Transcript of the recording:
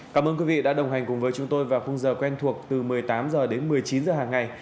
cảm ơn quý vị đã đồng hành cùng với chúng tôi vào khung giờ quen thuộc từ một mươi tám h đến một mươi chín h hàng ngày